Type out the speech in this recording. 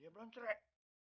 dia belum cerai